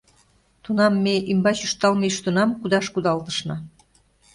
Тунам ме ӱмбач ӱшталме ӱштынам кудаш кудалтышна.